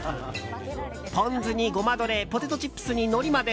ポン酢にゴマドレポテトチップスにのりまで。